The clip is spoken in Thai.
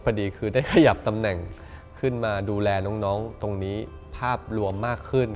พอดีคือได้ขยับตำแหน่งขึ้นมาดูแลน้องตรงนี้ภาพรวมมากขึ้น